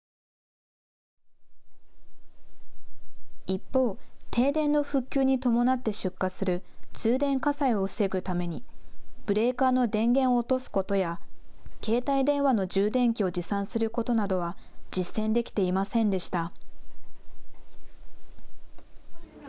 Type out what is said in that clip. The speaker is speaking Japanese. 一方、停電の復旧に伴って出火する通電火災を防ぐためにブレーカーの電源を落とすことや携帯電話の充電器を持参することなどは実践できていませんでした。